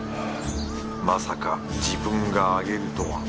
まさか自分が上げるとは。